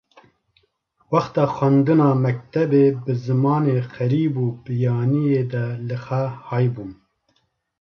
Wexta xwendina mektebê bi zimanê xerîb û biyaniyê de li xwe haybûm.